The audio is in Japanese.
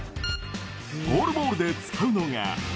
ゴールボールで使うのが。